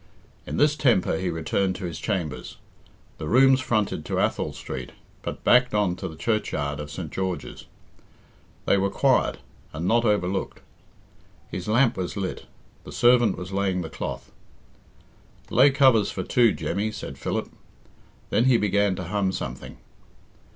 In this temper he returned to his chambers. The rooms fronted to Athol Street, but backed on to the churchyard of St. George's. They were quiet, and not overlooked. His lamp was lit. The servant was laying the cloth. "Lay covers for two, Jemmy," said Philip. Then he began to hum something.